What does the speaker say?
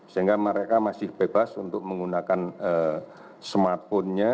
sehingga mereka masih bebas untuk menggunakan smartphone nya